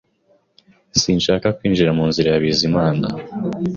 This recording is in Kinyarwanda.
Sinshaka kwinjira mu nzira ya Bizimana